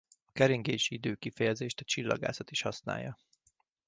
A keringési idő kifejezést a csillagászat is használja.